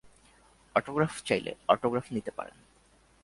Autograph চাইলে autograph নিতে পারেন।